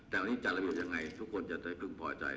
อย่างนี้จัดระเบียบยังไงทุกคนจะได้พึงพอใจ